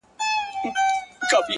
د دې وطن د هر يو گل سره کي بد کړې وي،